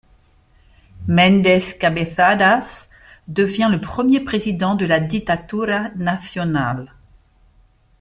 Mendes Cabeçadas devient le premier président de la Ditadura Nacional.